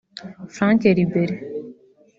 Franck Ribéry